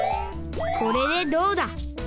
これでどうだ。